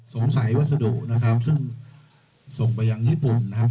สงสัยวัสดุนะครับซึ่งส่งไปยังญี่ปุ่นนะครับ